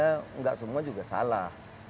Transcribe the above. tidak semua juga salah